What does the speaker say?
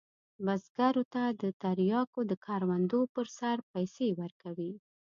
بزګرو ته د تریاکو د کروندو پر سر پیسې ورکوي.